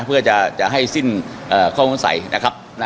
เพื่อจะจะให้สิ้นเอ่อข้อมูลใส่นะครับนะ